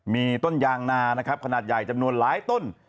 มีต้นยางนานะครับขนาดใหญ่จำนวนหลายต้น